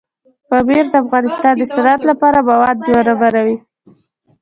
پامیر د افغانستان د صنعت لپاره مواد برابروي.